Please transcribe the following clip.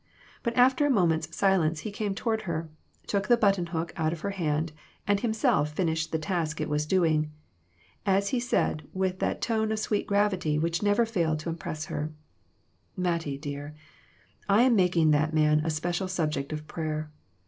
But after a moment's silence he came toward her, took the button hook out of her hand, and him self finished the task it was doing, as he said with that tone of sweet gravity which never failed to impress her " Mattie, dear, I am making that man a special subject of prayer.